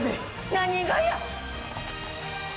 何がや。